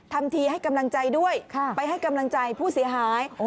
ทำทีให้กำลังใจด้วยไปให้กำลังใจผู้เสียหาย